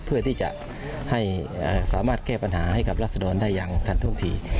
เพื่อที่จะให้สามารถแก้ปัญหาให้กับรัศดรได้อย่างทันท่วงที